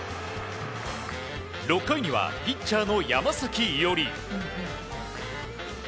６回にはピッチャーの山崎伊織。